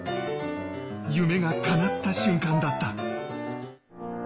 夢がかなった瞬間だった。